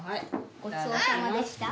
ごちそうさまでした。